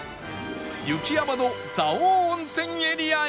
雪山の蔵王温泉エリアへ